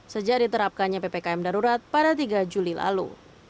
sejak diterapkannya ppkm darurat pada tiga juli lalu